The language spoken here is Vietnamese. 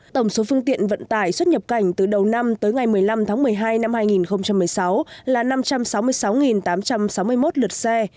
tổng số phương tiện vận tải xuất nhập cảnh từ đầu năm tới ngày một mươi năm tháng một mươi hai năm hai nghìn một mươi sáu là năm trăm sáu mươi sáu tám trăm sáu mươi một lượt xe